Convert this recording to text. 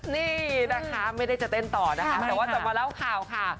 นี่นะคะไม่ได้จะเต้นต่อนะคะแต่ว่าจะมาเล่าข่าวค่ะ